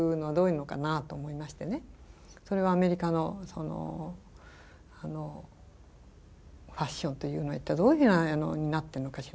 それはアメリカのファッションというのは一体どういうふうになってるのかしらというので行ったんですよ。